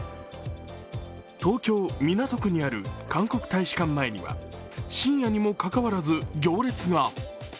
東京・港区にある韓国大使館前には深夜にもかかわらず行列が。